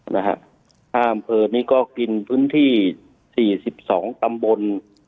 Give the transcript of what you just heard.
นะครับ๕อำเภอนี้ก็กินพื้นที่๔๒ตำบล